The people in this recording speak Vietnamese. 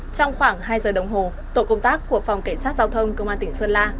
trong khoảng hai giờ đồng hồ tổ công tác của phòng cảnh sát giao thông công an tỉnh sơn la